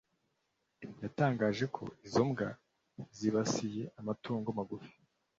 yatangaje ko izo mbwa zibasiye amatungo magufi